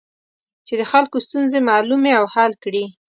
چې د خلکو ستونزې معلومې او حل کړي.